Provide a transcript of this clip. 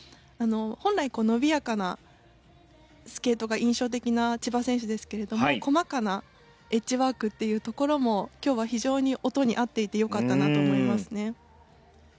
本来伸びやかなスケートが印象的な千葉選手ですけれども細かなエッジワークっていうところも今日は非常に音に合っていてよかったなと思いますね。